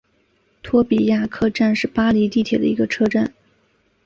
托比亚克站是巴黎地铁的一个车站。